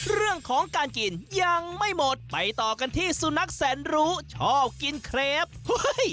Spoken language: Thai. เรื่องของการกินยังไม่หมดไปต่อกันที่สุนัขแสนรู้ชอบกินเครปเฮ้ย